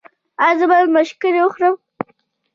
ایا زه باید مشګڼې وخورم؟